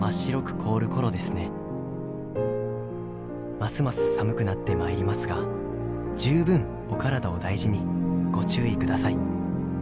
ますます寒くなってまいりますが十分お体を大事にご注意ください。